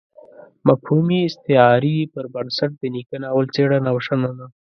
مفهومي استعارې پر بنسټ د نيکه ناول څېړنه او شننه.